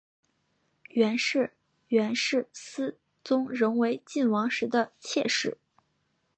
袁氏原是思宗仍为信王时的妾室。